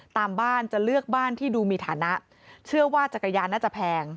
ตามบ้านจะเลือกบ้านที่ดูมีฐานะเชื่อว่าจักรยานน่าจะแพง